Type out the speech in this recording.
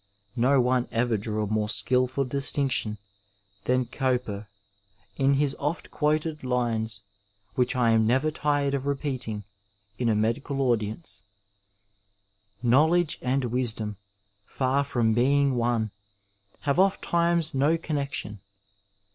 No one ever drew a more skilful distinction than Gowper in lus oft quoted lines, which I am never tired of repeating in a medical audience: Knowledge and wiadom, for from being one. Have oft times no connexion.